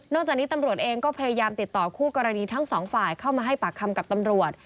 จากนี้ตำรวจเองก็พยายามติดต่อคู่กรณีทั้งสองฝ่ายเข้ามาให้ปากคำกับตำรวจ